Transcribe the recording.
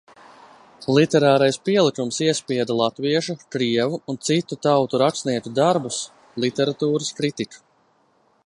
Literārais pielikums iespieda latviešu, krievu un citu tautu rakstnieku darbus, literatūras kritiku.